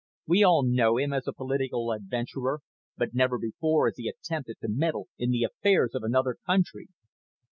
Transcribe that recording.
We all know him as a political adventurer, but never before has he attempted to meddle in the affairs of another country!"